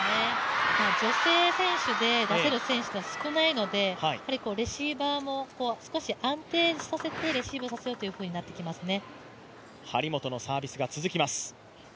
女性選手で出せる選手が少ないので、レシーバーも少し安定させてレシーブさせようというふうになってきますね。